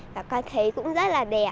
và con thấy cũng rất là đẹp